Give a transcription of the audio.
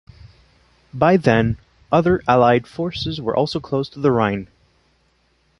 By then, other Allied forces were also close to the Rhine.